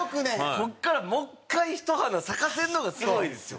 ここからもう１回一花咲かせるのがすごいですよ。